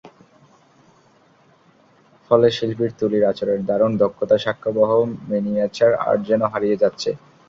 ফলে শিল্পীর তুলির আঁচড়ের দারুণ দক্ষতার সাক্ষ্যবহ মিনিয়েচার আর্ট যেন হারিয়ে যাচ্ছে।